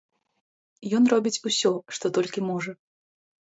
Ён робіць усё, што толькі можа.